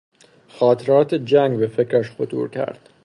خاطرات جنگ به فکرش خطور کرد.